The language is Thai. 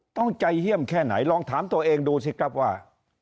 ต้องใจเยี่ยมแค่ไหนลองถามตัวเองดูสิครับว่า